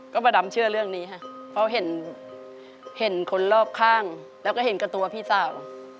ก็ป้าดำเชื่อเรื่องนี้ค่ะเพราะเห็นคนรอบข้างแล้วก็เห็นกับตัวพี่สาว